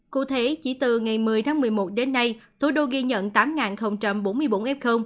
cụ thể chỉ từ ngày một mươi tháng một mươi một đến nay thủ đô ghi nhận tám bốn mươi bốn f